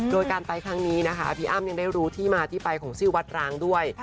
โดยการไปครั้งนี้นะคะพี่อ้ำยังได้รู้ที่มาที่ไปของชื่อวัดร้างด้วย